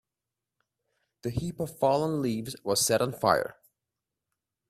The heap of fallen leaves was set on fire.